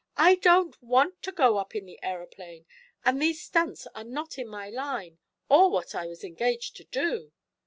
"I don't want to go up in the aeroplane, and these stunts are not in my line, or what I was engaged to do."